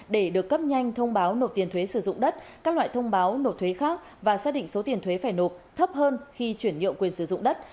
để được cấp nhanh thông báo nộp tiền thuế sử dụng đất các loại thông báo nộp thuế khác và xác định số tiền thuế phải nộp thấp hơn khi chuyển nhượng quyền sử dụng đất